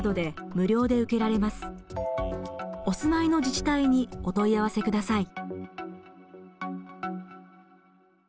お住まいの自治体にお問い合わせください。